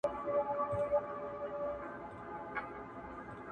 یوه خبره ورته یاده وه له پلاره څخه!.